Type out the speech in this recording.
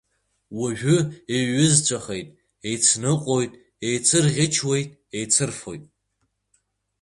Уажәы еиҩызцәахеит, еицныҟәоит, еицырӷьычуеит, еицырфоит.